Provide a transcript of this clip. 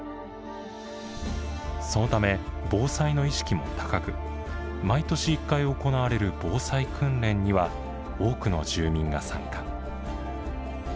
そのため防災の意識も高く毎年１回行われる防災訓練には多くの住民が参加。